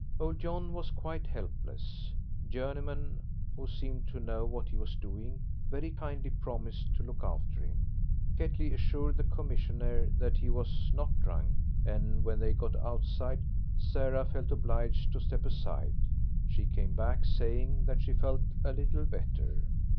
Old John was quite helpless; Journeyman, who seemed to know what he was doing, very kindly promised to look after him. Ketley assured the commissionaire that he was not drunk; and when they got outside Sarah felt obliged to step aside; she came back, saying that she felt a little better.